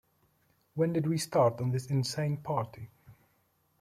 When did we start on this insane party?